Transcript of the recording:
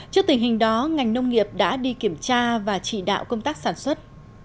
trước tình hình đó ngành nông nghiệp đã đi kiểm tra và chỉ đạo công tác sản xuất